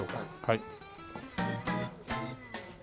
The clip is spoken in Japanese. はい。